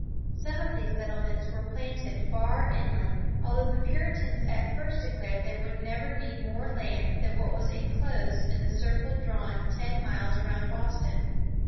Some of these settlements were planted far inland, although the Puritans at first declared they would never need more land than what was inclosed in a circle drawn ten miles around Boston.